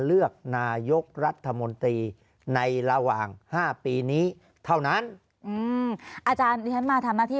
เลือกนายกรัฐมนตรีในระหว่างห้าปีนี้เท่านั้นอืมอาจารย์ที่ฉันมาทำหน้าที่